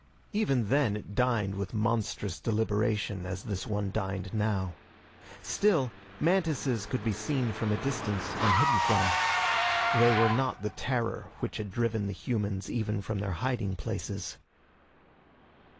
Even then it dined with monstrous deliberation as this one dined now. Still, mantises could be seen from a distance and hidden from. They were not the terror which had driven the humans even from their hiding places.